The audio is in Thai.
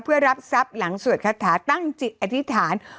เพื่อรับทรัพย์หลังสวดคาถาตั้งจิตอธิษฐาน